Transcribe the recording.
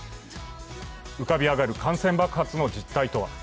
浮かび上がる感染爆発の実態とは。